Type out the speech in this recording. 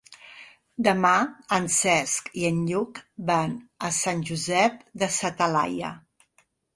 Demà en Cesc i en Lluc van a Sant Josep de sa Talaia.